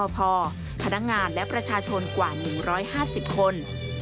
พอพนักงานและประชาชนกว่า๑๕๐คน